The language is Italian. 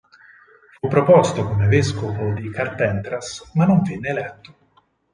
Fu proposto come vescovo di Carpentras ma non venne eletto.